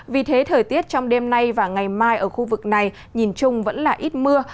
vì thế thời tiết trong đêm nay và ngày mai ở khu vực này nhìn chung vẫn là ít mưa